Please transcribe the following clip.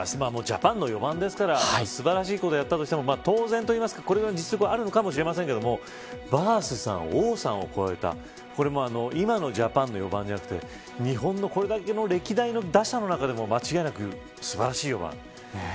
ＪＡＰＡＮの４番ですから素晴らしいことをやったとしても当然といいますかこれが実力かもしれませんがバースさん、王さんを超えた今のジャパンの４番じゃなくて日本のこれだけの歴代の打者の中でも間違いなく素晴らしい４番。